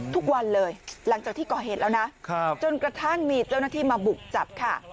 ทุกวันเลยหลังจากที่ก่อเหตุแล้วนะจนกระทั่งมีเจ้าหน้าที่มาบุกจับค่ะ